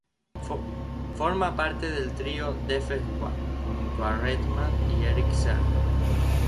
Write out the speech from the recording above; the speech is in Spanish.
Forma parte del trío Def Squad, junto a Redman y Erick Sermon.